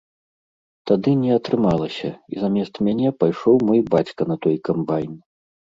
Тады не атрымалася, і замест мяне пайшоў мой бацька на той камбайн.